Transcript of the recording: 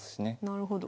なるほど。